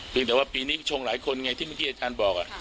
แต่ว่าปีนี้ชงหลายคนไงที่เมื่อกี้อาจารย์บอก